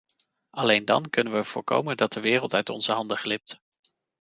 Alleen dan kunnen we voorkomen dat de wereld uit onze handen glipt.